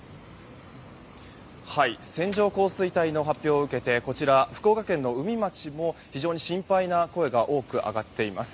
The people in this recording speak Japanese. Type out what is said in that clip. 線状降水帯の発表を受けてこちら福岡県の宇美町も非常に心配な声が多く上がっています。